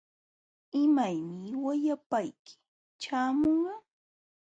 ¿Imaymi wayapayki ćhaamunqa?